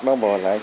đó là bộ trưởng